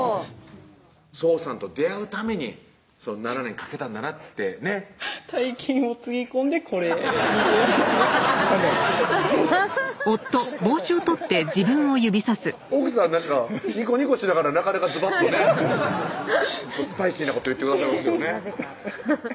荘さんと出会うために７年かけたんだなってねっ大金をつぎ込んでこれこれこれこれこれこれ奥さんなんかニコニコしながらなかなかズバッとねスパイシーなこと言ってくださいますよね